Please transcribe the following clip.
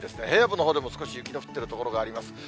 平野部のほうでも少し雪の降っている所があります。